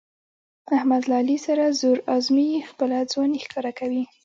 احمد له علي سره زور ازمیي، خپله ځواني ښکاره کوي.